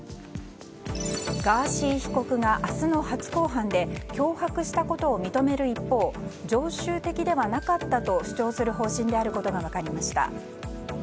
ガーシー被告が明日の初公判で脅迫したことを認める一方常習的ではなかったと主張する方針であることが分かりました。